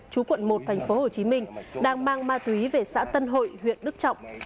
chú quận một tp hcm đang mang ma túy về xã tân hội huyện đức trọng